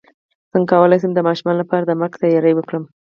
څنګه کولی شم د ماشومانو لپاره د مرګ تیاری وکړم